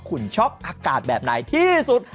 คุณชอบอากาศแบบไหนที่สุด